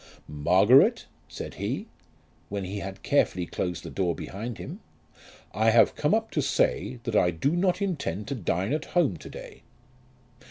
"Margaret," said he, when he had carefully closed the door behind him, "I have come up to say that I do not intend to dine at home to day."